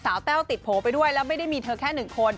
สาวเต้าติดโผล่ไปด้วยแล้วไม่ได้มีเธอแค่๑คน